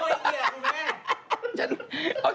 คุณนี่ชื่อ